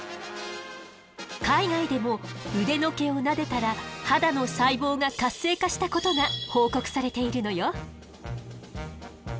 海外でも腕の毛をなでたら肌の細胞が活性化したことが報告されているのよ。